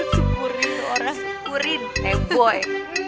sepurin lo orang sepurin eboy